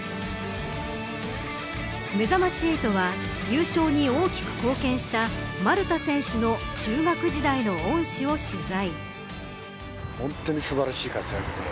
めざまし８は優勝に大きく貢献した丸田選手の中学時代の恩師を取材。